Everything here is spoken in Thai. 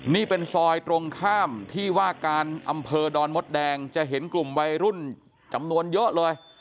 นี่เป็นซอยตรงข้ามที่ว่าการอำเภอดอนมดแดงจะเห็นกลุ่มวัยรุ่นจำนวนเยอะเลย